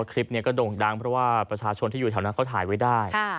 คลิปนี้ก็โด่งดังเพราะว่าประชาชนที่อยู่แถวนั้นเขาถ่ายไว้ได้